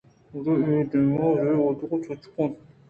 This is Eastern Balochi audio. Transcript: آبرے اے دیم ءُ برے آدیم ءَ تچگ ءَ اَت